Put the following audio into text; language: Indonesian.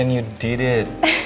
kan you said kamu mau ke oc